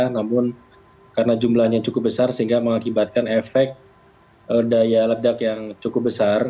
namun karena jumlahnya cukup besar sehingga mengakibatkan efek daya ledak yang cukup besar